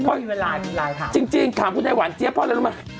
โอ๊ยมีเวลามีไลน์ถามจริงถามพี่ตายหวานเจี๊ยบพ่อนแล้วล่ะ